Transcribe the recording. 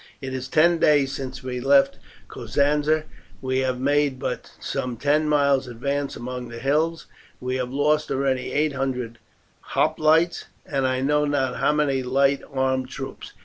It is ten days since we left Cosenza, we have made but some ten miles advance among the hills, and we have lost already eight hundred hoplites, and I know not how many light armed troops.